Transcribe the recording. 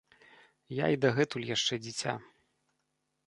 Я і дагэтуль яшчэ дзіця.